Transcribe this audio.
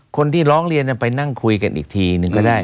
คนที่ร้องเรียนไปนั่งคุยกันอีกทีหนึ่งก็ได้